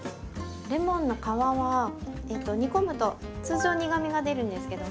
レモンの皮は煮込むと通常苦みが出るんですけども。